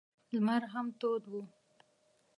لمر هم تود و.